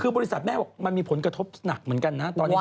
คือบริษัทแม่บอกมันมีผลกระทบหนักเหมือนกันนะตอนนี้